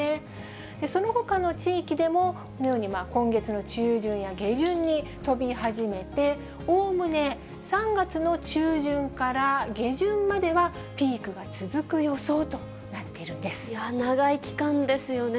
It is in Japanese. そのほかの地域でも、このように、今月の中旬や下旬に飛び始めて、おおむね３月の中旬から下旬まではピークが続く予想となっている長い期間ですよね。